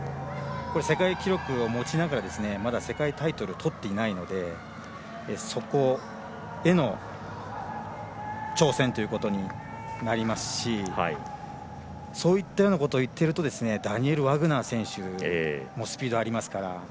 世界記録を持ちながら世界タイトルをとっていないのでそこへの挑戦ということになりますしそういったようなことを言っているとダニエル・ワグナー選手もスピードありますから。